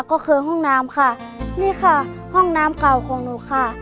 ก็คือห้องน้ำค่ะนี่ค่ะห้องน้ำเก่าของหนูค่ะ